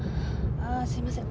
あーすいません